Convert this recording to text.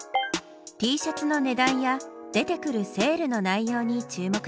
Ｔシャツの値段や出てくるセールの内容に注目してね。